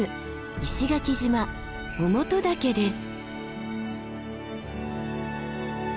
石垣島於茂登岳です。